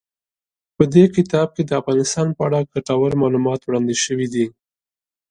په دې کتاب کې د افغانستان په اړه ګټور معلومات وړاندې شوي دي.